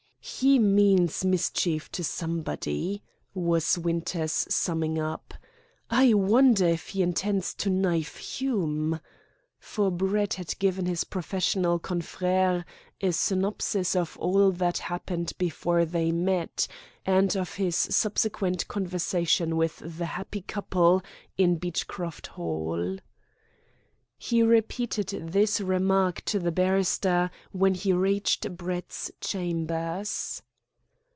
"He means mischief to somebody," was Winter's summing up. "I wonder if he intends to knife Hume?" for Brett had given his professional confrère a synopsis of all that happened before they met, and of his subsequent conversation with the "happy couple" in Beechcroft Hall. He repeated this remark to the barrister when he reached Brett's chambers.